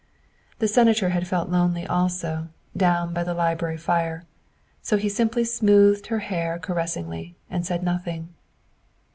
The Senator had felt lonely also down by the library 204 THE WIFE OF fire, so he simply smoothed her hair caressingly and said nothing.